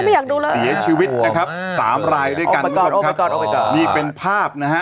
ไม่อยากดูเลยโหมากโอ้มายก็อดมีเป็นภาพนะฮะ